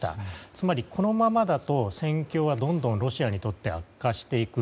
つまり、このままだと戦況はどんどんロシアにとって悪化していく。